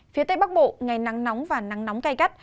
phía tây bắc bộ ngày nắng nóng và nắng nóng cay gắt